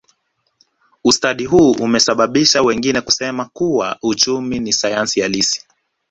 Ustadi huu umesababisha wengine kusema kuwa uchumi ni sayansi halisi